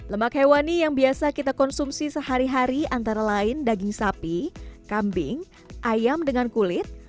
lemak hewani yang biasa kita konsumsi sehari hari antara lain daging sapi kambing ayam dengan kulit